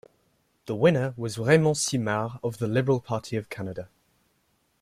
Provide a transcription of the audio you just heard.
The winner was Raymond Simard of the Liberal Party of Canada.